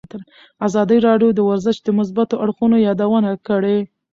ازادي راډیو د ورزش د مثبتو اړخونو یادونه کړې.